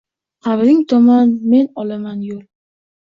Qabring tomon men olaman yo’l.